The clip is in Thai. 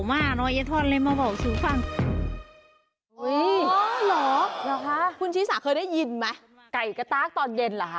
อ๋อเหรอคะคุณชีสาเคยได้ยินไหมไก่กระตากตอนเย็นเหรอคะ